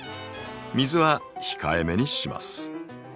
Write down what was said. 水は控えめにします。